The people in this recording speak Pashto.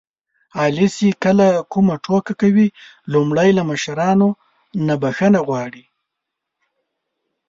علي چې کله کومه ټوکه کوي لومړی له مشرانو نه بښنه غواړي.